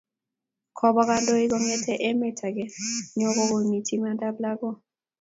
Kobwa kandoik kongete emet ake nyo kokimit imandab lagok